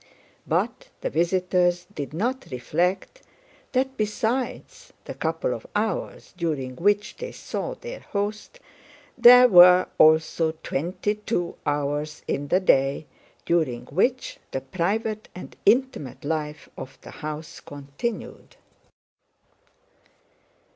But the visitors did not reflect that besides the couple of hours during which they saw their host, there were also twenty two hours in the day during which the private and intimate life of the house continued.